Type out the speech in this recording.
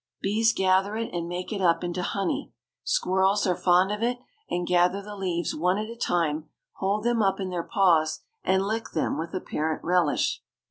Bees gather it and make it up into honey. Squirrels are fond of it, and gather the leaves one at a time, hold them up in their paws, and lick them with apparent relish.